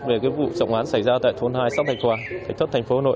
về vụ trọng án xảy ra tại thôn hai sông thạch hòa thạch thất thành phố hà nội